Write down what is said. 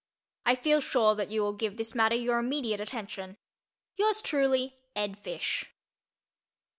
I feel sure that you will give this matter your immediate attention. Yours truly, ED. FISH.